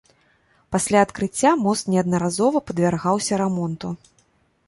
Пасля адкрыцця мост неаднаразова падвяргаўся рамонту.